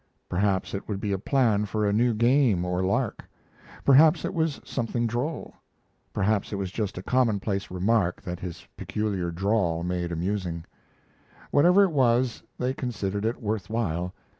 Perhaps it would be a plan for a new game or lark; perhaps it was something droll; perhaps it was just a commonplace remark that his peculiar drawl made amusing. Whatever it was, they considered it worth while.